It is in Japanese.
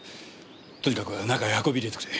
とにかく中へ運び入れてくれ。